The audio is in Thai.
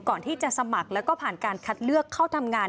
ก่อนที่จะสมัครแล้วก็ผ่านการคัดเลือกเข้าทำงาน